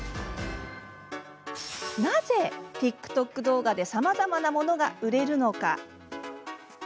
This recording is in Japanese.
なぜ、ＴｉｋＴｏｋ動画でさまざまなものが売れるのか。